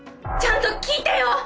ちゃんと聞いてよ！